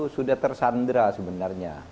sudah tersandra sebenarnya